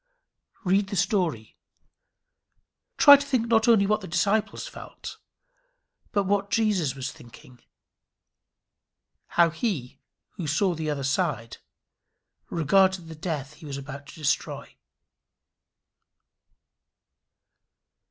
Read the story. Try to think not only what the disciples felt, but what Jesus was thinking; how he, who saw the other side, regarded the death he was about to destroy.